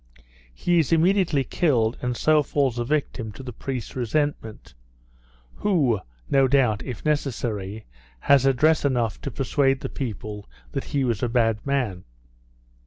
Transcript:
He is immediately killed, and so falls a victim to the priest's resentment, who, no doubt (if necessary), has address enough to persuade the people that he was a bad man.